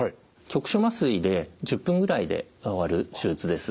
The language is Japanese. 局所麻酔で１０分ぐらいで終わる手術です。